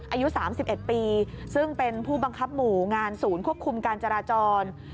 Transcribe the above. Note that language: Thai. อายุ๓๑ปีซึ่งเป็นผู้บังคับหมู่งานศูนย์ควบคุมการจราจร